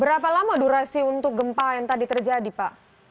berapa lama durasi untuk gempa yang tadi terjadi pak